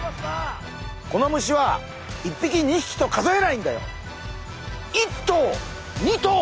この虫は１匹２匹と数えないんだよ！